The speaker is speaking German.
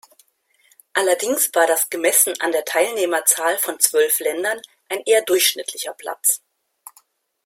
Allerdings war das gemessen an der Teilnehmerzahl von zwölf Ländern ein eher durchschnittlicher Platz.